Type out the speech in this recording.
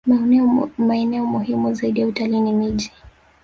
Maeneo muhimu zaidi ya utalii ni miji